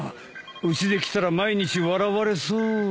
うちで着たら毎日笑われそうで。